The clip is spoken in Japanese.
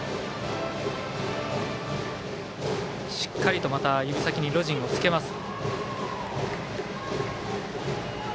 しっかりとまた指先にロジンをつけます。